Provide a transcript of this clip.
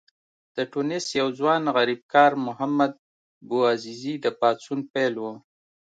د ټونس یو ځوان غریبکار محمد بوعزیزي د پاڅون پیل و.